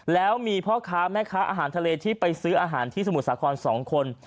แล้วมีพ่อค้าแม่ค้าอาหารทะเลที่ไปซื้ออาหารที่สมุทรสาคร๒คน